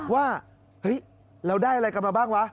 ว่าเราได้อะไรกลับมาบ้างว่ะ